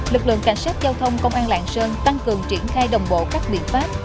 lực lượng cảnh sát giao thông công an lạng sơn tăng cường triển khai đồng bộ các biện pháp